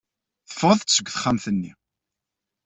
Teffɣeḍ-d seg texxamt-nni.